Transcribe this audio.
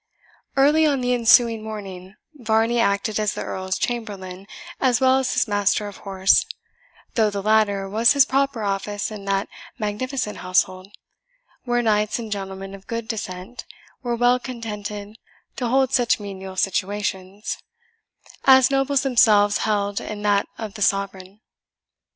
Early on the ensuing morning, Varney acted as the Earl's chamberlain as well as his master of horse, though the latter was his proper office in that magnificent household, where knights and gentlemen of good descent were well contented to hold such menial situations, as nobles themselves held in that of the sovereign.